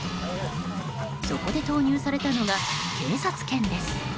そこで投入されたのが警察犬です。